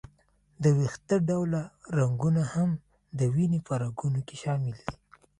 د وېښته ډوله رګونه هم د وینې په رګونو کې شامل دي.